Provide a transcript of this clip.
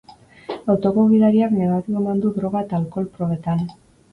Autoko gidariak negatibo eman du droga eta alkohol probetan.